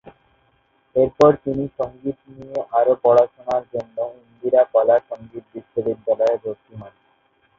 এরপর তিনি সঙ্গীত নিয়ে আরও পড়াশোনার জন্য ইন্দিরা কলা সঙ্গীত বিশ্ববিদ্যালয়ে ভর্তি হন।